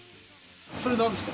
それ何ですか？